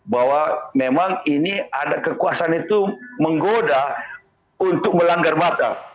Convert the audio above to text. bahwa memang ini ada kekuasaan itu menggoda untuk melanggar batas